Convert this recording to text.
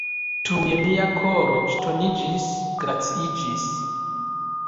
Tuj mia koro ŝtoniĝis, glaciiĝis.